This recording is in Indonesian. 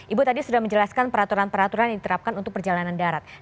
ibu tadi sudah menjelaskan peraturan peraturan yang diterapkan untuk perjalanan darat